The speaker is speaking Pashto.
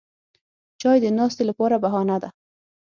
چای د ناستې لپاره بهانه ده